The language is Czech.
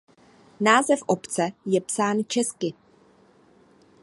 Název obce je psán česky.